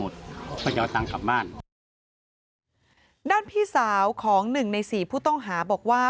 ด้านพี่สาวของหนึ่งในสี่ผู้ต้องหาบอกว่า